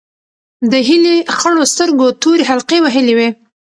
د هیلې خړو سترګو تورې حلقې وهلې وې.